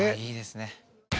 いいですね。